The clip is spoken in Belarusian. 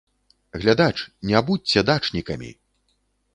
Глядач, не будзьце дачнікамі!